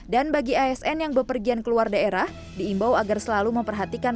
dan bagi asn yang bepergian keluar daerah diimbau agar selalu memperhatikan